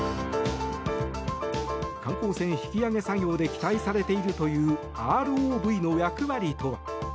観光船引き揚げ作業で期待されているというＲＯＶの役割とは。